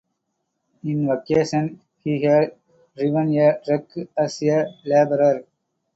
In vacations he had driven a truck as a labourer.